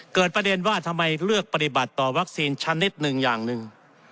เกิดประเด็นว่าทำไมเลือกปฏิบัติต่อวัคซีนชนิดหนึ่งอย่างหนึ่ง